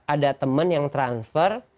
ada temen yang transfer